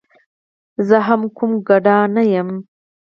زه هم کوم ګدا نه یم.